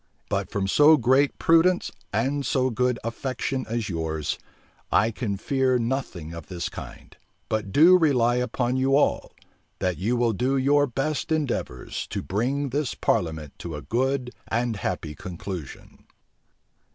But from so great prudence and so good affection as yours, I can fear nothing of this kind; but do rely upon you all, that you will do your best endeavors to bring this parliament to a good and happy conclusion."